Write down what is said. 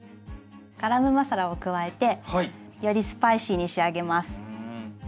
ガラムマサラを加えてよりスパイシーに仕上げます。